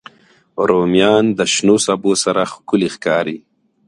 رومیان د شنو سبو سره ښکلي ښکاري